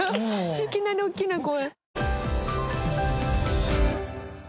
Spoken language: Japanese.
いきなり大きな声。